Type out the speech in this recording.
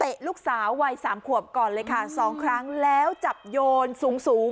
ลูกสาววัยสามขวบก่อนเลยค่ะสองครั้งแล้วจับโยนสูงสูง